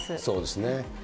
そうですね。